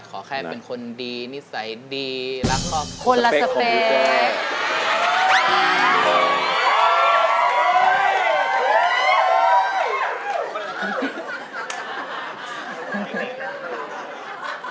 แค่เป็นคนดีนิสัยดีรักความคนละสเปก